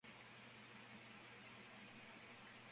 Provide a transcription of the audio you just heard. Establecen su sede en Valley Forge, Pennsylvania.